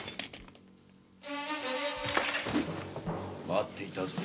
待っていたぞ。